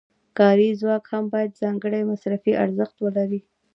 کاري ځواک هم باید ځانګړی مصرفي ارزښت ولري